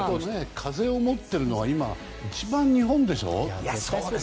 風を持っているのは今、一番、日本でしょ。